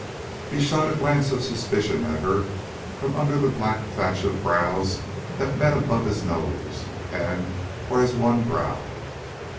He shot a glance of suspicion at her from under the black thatch of brows that met above his nose and were as one brow.